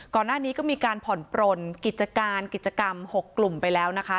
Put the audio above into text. ก่อนหน้านี้ก็มีการผ่อนปลนกิจการกิจกรรม๖กลุ่มไปแล้วนะคะ